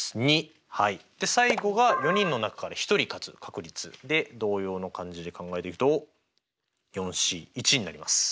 最後が４人の中から１人勝つ確率で同様の感じで考えていくとＣになります。